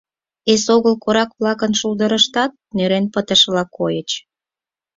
Эсогыл корак-влакын шулдырыштат нӧрен пытышыла койыч.